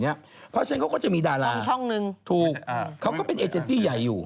พี่นึกออกไหมเขาก็เป็นเอเจสซี่ใหญ่อยู่